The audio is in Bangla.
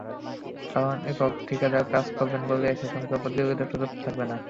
কারণ, একক ঠিকাদার কাজ করবেন বলে সেখানে প্রতিযোগিতার সুযোগ থাকবে না।